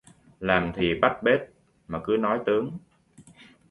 Làm thì bắt bết mà cứ nói tướng